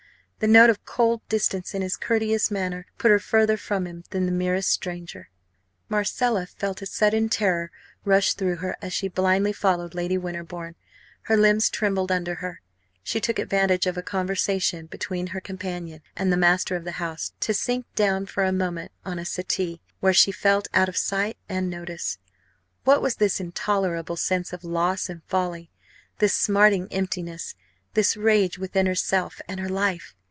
The note of cold distance in his courteous manner put her further from him than the merest stranger. Marcella felt a sudden terror rush through her as she blindly followed Lady Winterbourne; her limbs trembled under her; she took advantage of a conversation between her companion and the master of the house to sink down for a moment on a settee, where she felt out of sight and notice. What was this intolerable sense of loss and folly, this smarting emptiness, this rage with herself and her life?